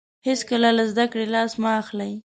هیڅکله له زده کړې لاس مه اخلئ.